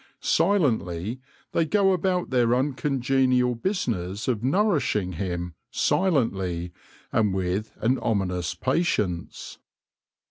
Silently they go about their uncon genial business of nourishing him — silently, and with an ominous patience.